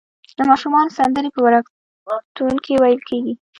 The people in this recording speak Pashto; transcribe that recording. د ماشومانو سندرې په وړکتون کې ویل کیږي.